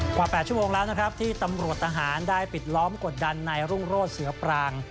กว่า๘ชั่วโมงแล้วนะครับที่ตำรวจทหารได้ปิดล้อมกดดันนายรุ่งโรศเสือปราง